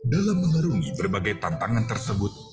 dalam mengarungi berbagai tantangan tersebut